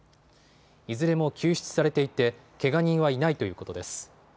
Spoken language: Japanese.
いずれも救出されていてけが人はいないということです。